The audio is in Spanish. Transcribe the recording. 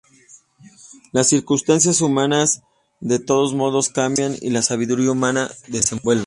Las circunstancias humanas, de todos modos, cambian y la sabiduría humana desenvuelve.